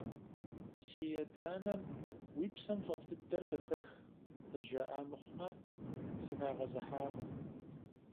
Си адэ-анэм «уи псэм фӀэфӀ дыдэр къыхэх» къызжаӀа мыхъумэ, сыхагъэзыхьакъым.